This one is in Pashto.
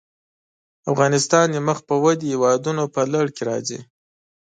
افغانستان د مخ پر ودې هېوادونو په لړ کې راځي.